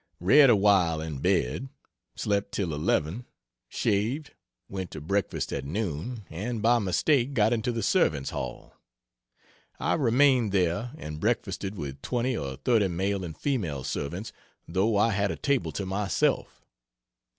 Read awhile in bed, slept till 11, shaved, went to breakfast at noon, and by mistake got into the servants' hall. I remained there and breakfasted with twenty or thirty male and female servants, though I had a table to myself.